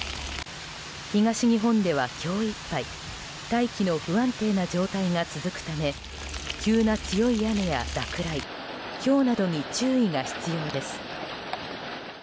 東日本では今日いっぱい大気が不安定な状態が続くため急な強い雨や落雷ひょうなどに注意が必要です。